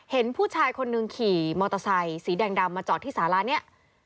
เห็นผู้ชายคนหนึ่งขี่มอเตอร์ไซค์สีแดงดำมาจอดที่สาระนี้